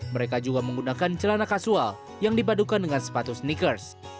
mereka juga menggunakan celana kasual yang dipadukan dengan sepatu sneakers